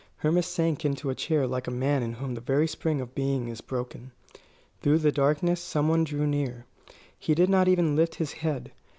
Hermas sank into a chair like a man in whom the very spring of being is broken. Through the darkness some one drew near. He did not even lift his head.